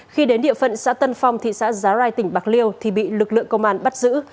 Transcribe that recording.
khi đến địa phận xã tân phong thị xã giá rai tỉnh bạc liêu thì bị lực lượng công an bắt giữ